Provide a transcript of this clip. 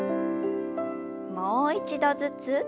もう一度ずつ。